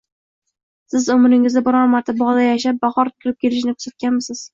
Siz, umringizda biron marta bog’da yashab, bahor kirib kelishini kuzatganmisiz?